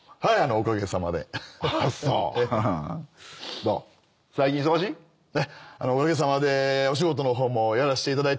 おかげさまでお仕事の方もやらせていただいております。